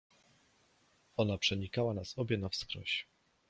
Ona przenikała nas obie na wskroś…